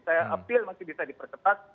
saya appeal masih bisa dipercepat